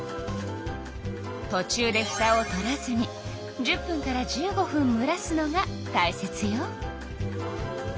とちゅうでふたを取らずに１０分から１５分むらすのがたいせつよ。